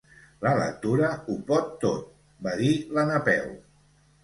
La lectura ho pot tot —va dir la Napeu—.